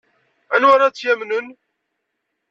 Anwa ara tt-yamnen?